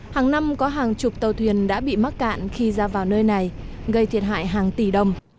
hàng năm có hàng chục tàu thuyền đã bị mắc cạn khi ra vào nơi này gây thiệt hại hàng tỷ đồng